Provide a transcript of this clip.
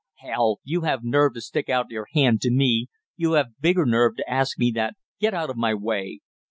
"Hell! You have nerve to stick out your hand to me you have bigger nerve to ask me that, get out of my way!"